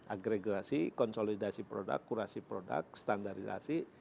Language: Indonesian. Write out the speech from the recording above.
aggregasi konsolidasi produk kurasi produk standarizasi